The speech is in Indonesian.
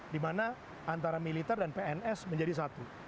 dimana antara militer dan pns menjadi satu